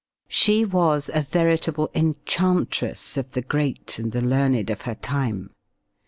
She was a veritable enchantress of the great and the learned of her time.